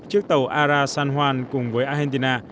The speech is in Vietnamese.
chiếc tàu ara san juan cùng với argentina